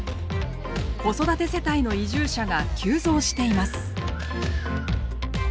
子育て世帯の移住者が急増しています。